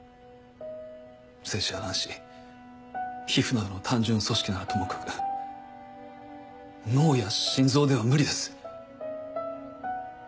精子や卵子皮膚などの単純組織ならともかく脳や心臓では無理です。